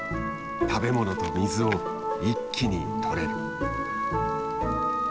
食べ物と水を一気にとれる。